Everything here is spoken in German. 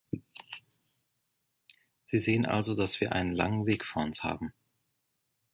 Sie sehen also, dass wir einen langen Weg vor uns haben.